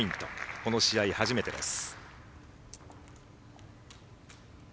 この試合、初めてです。